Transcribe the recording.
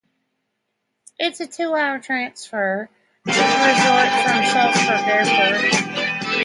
It is a two-hour transfer to resort from Salzburg Airport.